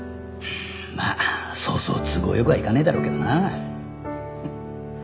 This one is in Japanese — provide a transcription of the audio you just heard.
まあそうそう都合良くはいかねえだろうけどな。